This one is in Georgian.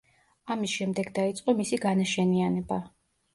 ამის შემდეგ დაიწყო მისი განაშენიანება.